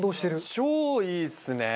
超いいっすね！